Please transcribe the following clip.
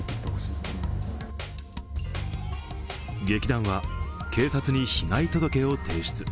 劇団は警察に被害届を提出。